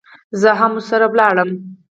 زه هم ورسره ولاړم.